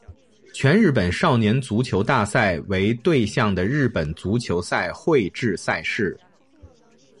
全日本少年足球大赛为对象的日本足球赛会制赛事。